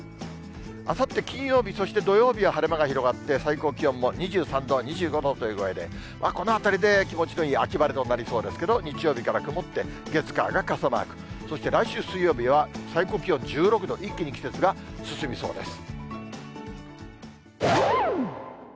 あさって金曜日、そして土曜日は晴れ間が広がって、最高気温も２３度、２５度という具合で、このあたりで気持ちのいい秋晴れとなりそうですけど、日曜日から曇って、月、火が傘マーク、そして来週水曜日は最高気温１６度、一気に季節が進みそうです。